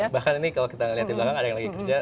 bahkan ini kalau kita lihat di belakang ada yang lagi kerja